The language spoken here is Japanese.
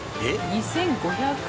２５００枚。